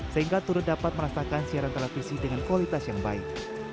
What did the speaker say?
sehingga turut dapat merasakan siaran televisi dengan kualitas yang baik